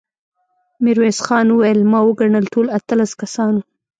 ميرويس خان وويل: ما وګڼل، ټول اتلس کسان وو.